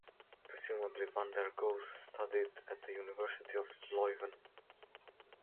Presumably Van der Goes studied at the University of Leuven.